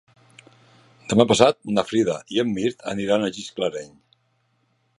Demà passat na Frida i en Mirt aniran a Gisclareny.